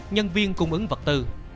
nhân viên cung ứng vật tư